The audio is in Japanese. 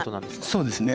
そうですね。